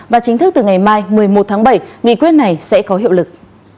và chính thức từ ngày mai một mươi một tháng bảy nghị quyết này sẽ có hiệu lực